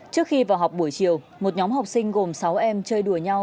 trước khi vào học buổi chiều một nhóm học sinh gồm sáu em chơi đùa nhau